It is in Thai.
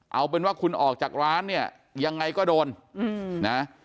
เอาเป็นว่าคุณออกจากร้านเนี่ยยังไงก็โดนนะ